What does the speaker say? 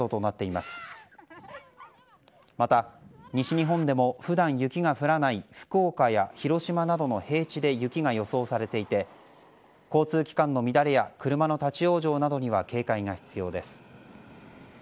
また西日本でも普段雪が降らない福岡や広島などの平地で雪が予想されていて交通機関の乱れや車の立ち往生などには警戒が必要です。